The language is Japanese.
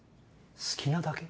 好きなだけ？